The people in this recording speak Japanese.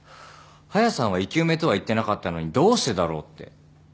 ハヤさんは「生き埋め」とは言ってなかったのにどうしてだろうって。